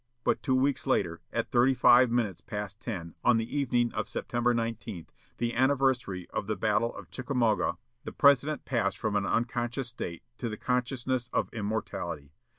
But two weeks later, at thirty five minutes past ten, on the evening of September 19, the anniversary of the battle of Chickamauga, the President passed from an unconscious state to the consciousness of immortality.